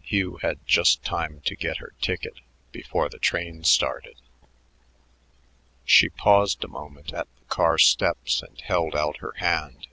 Hugh had just time to get her ticket before the train started. She paused a moment at the car steps and held out her hand.